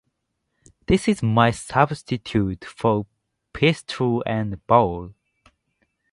This is my substitute for pistol and ball.